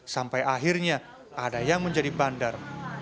sampai akhirnya ada yang menjadi bandar